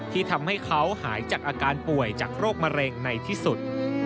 ที่ทำให้เขาหายจากอาการป่วยจากโรคมะเร็งในที่สุด